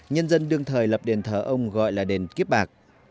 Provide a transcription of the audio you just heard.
nhân dân đương thời lập đền thờ ông gọi là đền kiếp bạc